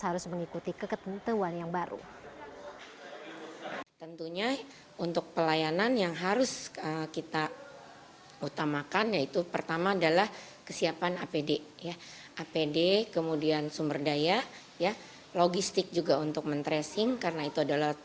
harus mengikuti keketentuan yang baru